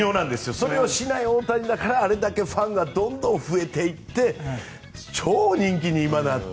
それをしない大谷だからあれだけファンがどんどん増えていって超人気に今、なって。